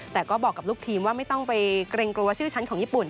แต่ก็บอกกับลูกทีมว่าไม่ต้องไปเกรงกลัวชื่อชั้นของญี่ปุ่น